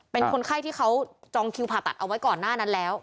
เป็นคนไข้ที่เขาจองคิวผ่าตัดเอาไว้ก่อนหน้านั้นแล้ว